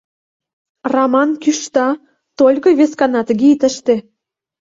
— Раман кӱшта — Только вескана тыге ит ыште.